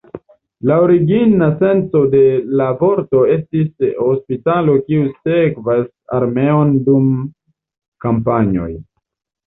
La origina senco de la vorto estis "hospitalo kiu sekvas armeon dum kampanjoj".